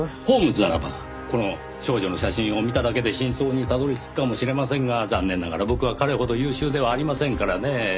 ホームズならばこの少女の写真を見ただけで真相にたどり着くかもしれませんが残念ながら僕は彼ほど優秀ではありませんからね。